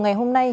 ngày hôm nay